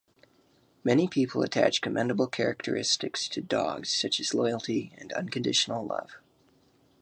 Many people attach commendable characteristics to dogs, such as loyalty and unconditional love.